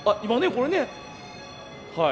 これねはい。